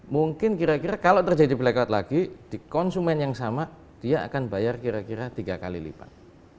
mungkin kira kira kalau terjadi blackout lagi di konsumen yang sama dia akan bayar kira kira tiga kali lipat